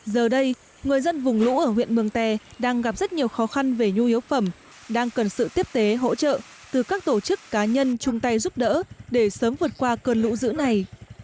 giờ đây người dân vùng lũ ở huyện mường tè đang gặp rất nhiều khó khăn về nhu yếu phẩm đang cần sự tiếp tế hỗ trợ từ các tổ chức cá nhân chung tay giúp đỡ để sớm vượt qua cơn lũ dữ này